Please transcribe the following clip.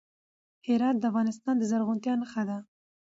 هرات د افغانستان د زرغونتیا نښه ده.